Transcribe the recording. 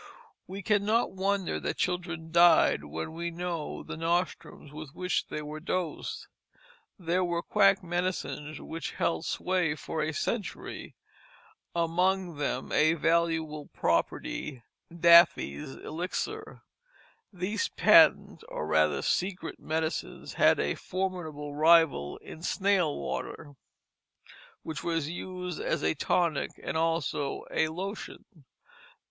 We cannot wonder that children died when we know the nostrums with which they were dosed. There were quack medicines which held sway for a century among them, a valuable property, Daffy's Elixir. These patented or rather secret medicines had a formidable rival in snail water, which was used as a tonic and also a lotion.